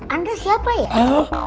anda siapa ya